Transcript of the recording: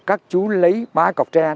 các chú lấy ba cọc tre